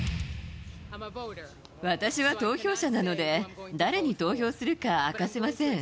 私は投票者なので、誰に投票するか明かせません。